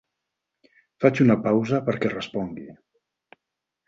Faig una pausa perquè respongui.